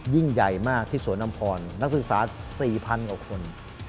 ยิ่งใหญ่มากที่สวนอำพรนักศึกษา๔๐๐๐กว่าคน